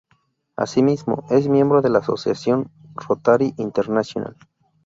Así mismo, es miembro de la asociación "Rotary International".